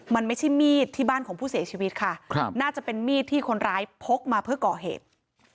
มันไม่ใช่มีดที่บ้านของผู้เสียชีวิตค่ะน่าจะเป็นมีดที่คนร้ายพกมาเพื่อก่อเหตุ